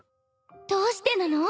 どうしてなの？